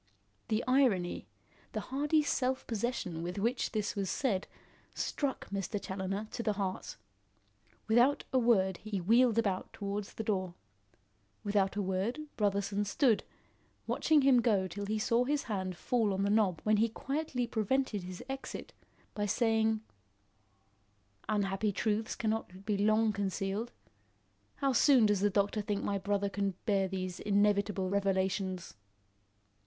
The irony, the hardy self possession with which this was said struck Mr. Challoner to the heart. Without a word he wheeled about towards the door. Without a word, Brotherson stood, watching him go till he saw his hand fall on the knob when he quietly prevented his exit by saying: "Unhappy truths cannot be long concealed. How soon does the doctor think my brother can bear these inevitable revelations?"